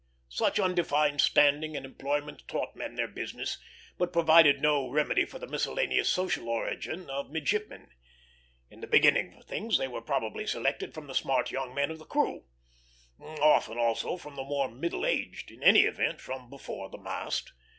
Such undefined standing and employments taught men their business, but provided no remedy for the miscellaneous social origin of midshipmen. In the beginning of things they were probably selected from the smart young men of the crew; often also from the more middle aged in any event, from before the mast.